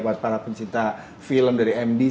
buat para pencinta film dari md